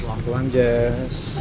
selamat pulang jess